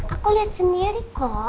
aku liat sendiri kok